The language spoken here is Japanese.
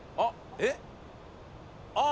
えっ？